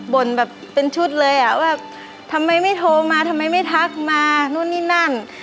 แบบเป็นชุดเลยอ่ะว่าทำไมไม่โทรมาทำไมไม่ทักมานู่นนี่นั่น